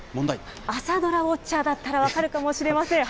朝ドラウォッチャーだったら分かるかもしれません。